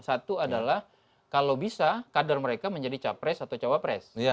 satu adalah kalau bisa kader mereka menjadi capres atau cawapres